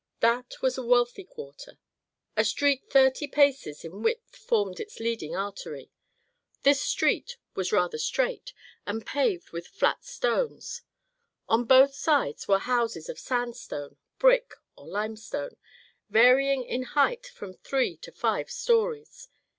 That was a wealthy quarter. A street thirty paces in width formed its leading artery. This street was rather straight, and paved with flat stones. On both sides were houses of sandstone, brick, or limestone, varying in height from three to five stories.